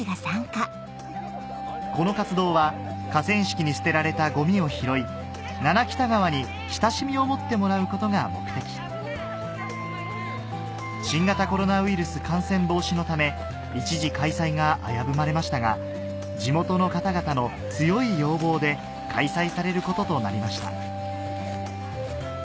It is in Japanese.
この活動は河川敷に捨てられたゴミを拾い七北田川に親しみを持ってもらうことが目的新型コロナウイルス感染防止のため一時開催が危ぶまれましたが地元の方々の強い要望で開催されることとなりました